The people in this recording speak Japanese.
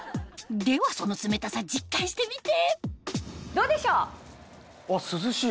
ではその冷たさ実感してみてどうでしょう？